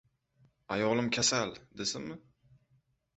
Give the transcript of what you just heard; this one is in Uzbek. Ayolim kasal, desinmi?